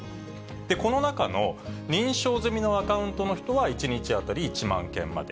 この中の認証済みのアカウントの人は１日当たり１万件まで。